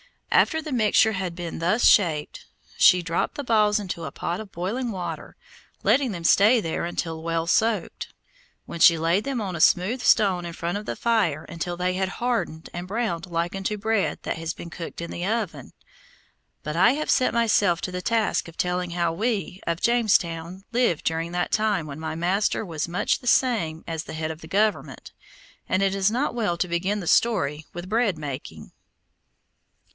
After the mixture had been thus shaped, she dropped the balls into a pot of boiling water, letting them stay there until well soaked, when she laid them on a smooth stone in front of the fire until they had hardened and browned like unto bread that has been cooked in the oven. But I have set myself to the task of telling how we of Jamestown lived during that time when my master was much the same as the head of the government, and it is not well to begin the story with bread making.